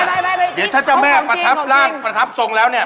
อะไรเดี๋ยวถ้าจ้อแม่ประทับงน